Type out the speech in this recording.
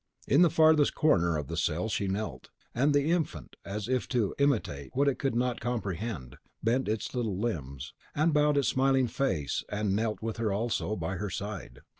In the farthest corner of the cell she knelt; and the infant, as if to imitate what it could not comprehend, bent its little limbs, and bowed its smiling face, and knelt with her also, by her side.